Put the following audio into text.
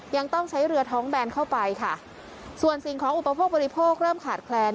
ยังต้องใช้เรือท้องแบนเข้าไปค่ะส่วนสิ่งของอุปโภคบริโภคเริ่มขาดแคลน